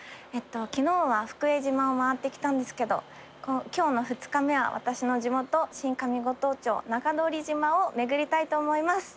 昨日は福江島を回ってきたんですけど今日の２日目は私の地元新上五島町中通島を巡りたいと思います。